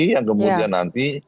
iya yang kemudian nanti